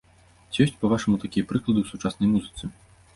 Ці ёсць па-вашаму такія прыклады ў сучаснай музыцы?